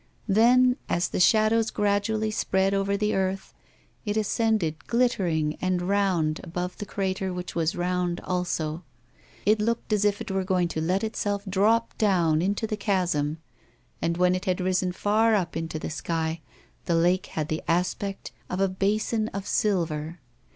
Then, as the shadows gradually spread over the earth, it ascended glittering and round above the crater which was round also. It looked as if it were going to let itself drop down into the chasm; and when it had risen far up into the sky, the lake had the aspect of a basin of silver.